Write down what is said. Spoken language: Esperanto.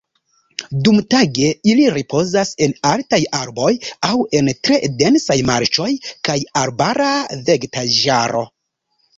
Dumtage ili ripozas en altaj arboj aŭ en tre densaj marĉoj kaj arbara vegetaĵaro.